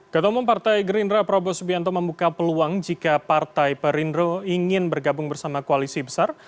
ketemu partai gerindra prabowo subianto membuka peluang jika partai perindro ingin bergabung bersama koalisi besar